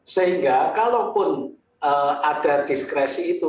sehingga kalaupun ada diskresi itu